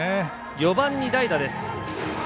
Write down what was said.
４番に代打です。